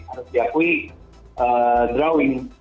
harus diakui drawing